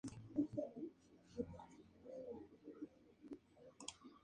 No recibió respuesta.